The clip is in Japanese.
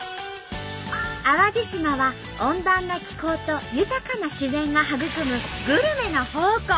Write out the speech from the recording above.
淡路島は温暖な気候と豊かな自然が育むグルメの宝庫！